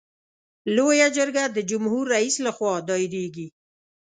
لویه جرګه د جمهور رئیس له خوا دایریږي.